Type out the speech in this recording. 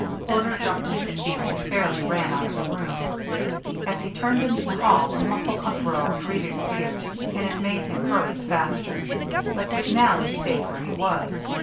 Porter jumped to his feet and fairly ran out of the room. As he turned into the hall a muffled uproar greeted his ears, and it made him hurry the faster. But McNally stayed where he was.